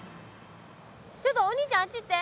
ちょっとお兄ちゃんあっち行って。